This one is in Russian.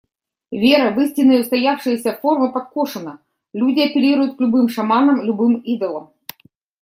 Вера в истинные, устоявшиеся формы подкошена, люди апеллируют к любым шаманам, любым идолам.